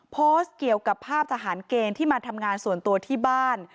โพสต์เกี่ยวกับภาพทหารเกณฑ์ที่มาทำงานส่วนตัวที่บ้าน